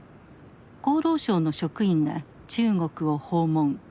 厚労省の職員が中国を訪問。